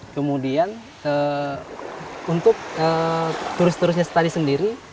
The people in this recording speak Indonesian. kemudian untuk turis turisnya tadi sendiri